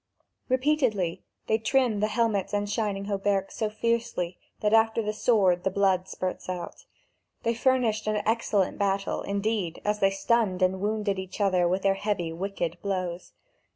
Repeatedly they trim the helmets and shining hauberks so fiercely that after the sword the blood spurts out. They furnished an excellent battle, indeed, as they stunned and wounded each other with their heavy, wicked blows.